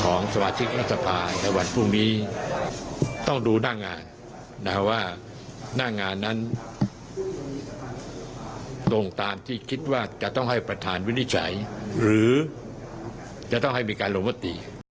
สมาชิกรัฐสภาในวันพรุ่งนี้ต้องดูหน้างานนะว่าหน้างานนั้นตรงตามที่คิดว่าจะต้องให้ประธานวินิจฉัยหรือจะต้องให้มีการลงมติ